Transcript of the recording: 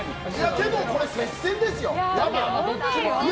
でも接戦ですよ。